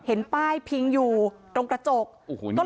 เห็นป้ายพิงอยู่ตรงกระจกโอ้โหนี่ผู้ใหญ่ป๋อง